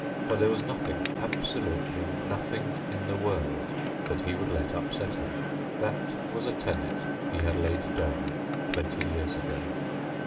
For there was nothing ... absolutely nothing in the world ... that he would let upset him. That was a tenet he had laid down twenty years ago.